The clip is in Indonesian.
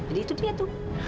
jadi itu dia tuh